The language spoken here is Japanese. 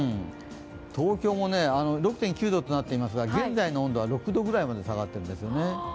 東京も６．９度となっていますが現在の温度は６度くらいまで下がってるんですよね。